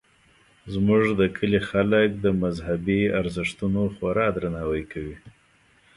زموږ د کلي خلک د مذهبي ارزښتونو خورا درناوی کوي